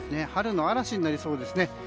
春の嵐になりそうですね。